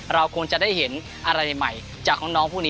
เราคงจะได้เห็นอะไรใหม่จากน้องพวกนี้